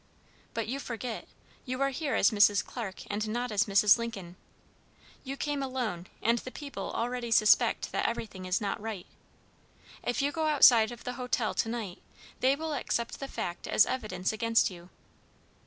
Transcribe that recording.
"But you forget. You are here as Mrs. Clarke and not as Mrs. Lincoln. You came alone, and the people already suspect that everything is not right. If you go outside of the hotel to night, they will accept the fact as evidence against you."